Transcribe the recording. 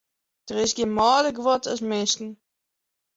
Der is gjin mâlder guod as minsken.